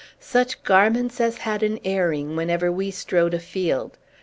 Such garments as had an airing, whenever we strode afield!